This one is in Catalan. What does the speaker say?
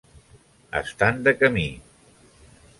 Estan de camí.